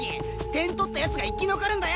点取った奴が生き残るんだよ！